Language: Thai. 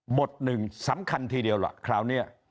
หนึ่งสำคัญทีเดียวล่ะคราวนี้